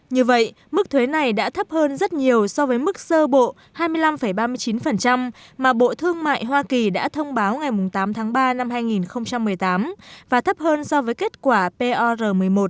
như vậy mức thuế này đã thấp hơn rất nhiều so với mức sơ bộ hai mươi năm ba mươi chín mà bộ thương mại hoa kỳ đã thông báo ngày tám tháng ba năm hai nghìn một mươi tám và thấp hơn so với kết quả pr một mươi một